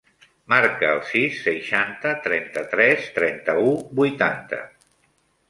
Marca el sis, seixanta, trenta-tres, trenta-u, vuitanta.